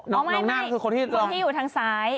น้องนั่งคือคนที่อยู่ทางซ้าย